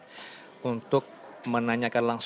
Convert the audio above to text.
untuk menanyakan langsung seperti apa sebenarnya mekanisme darah